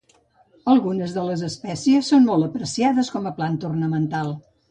Algunes de les espècies són molt apreciades com a planta ornamental.